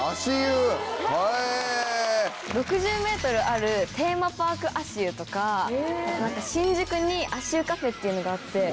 ６０ｍあるテーマパーク足湯とか新宿に足湯カフェっていうのがあって。